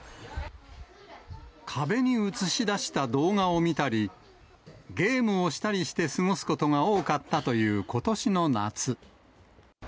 壁に映し出した動画を見たり、ゲームをしたりして過ごすことが多かったということしの夏。